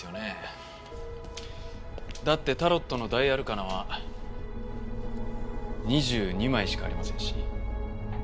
だってタロットの大アルカナは２２枚しかありませんし。